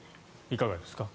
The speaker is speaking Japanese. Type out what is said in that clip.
いかがですか。